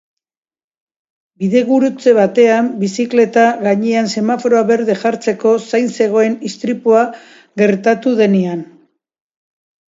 Bidegurutze batean bizikleta gainean semaforoa berde jartzeko zain zegoen istripua gertatu denean.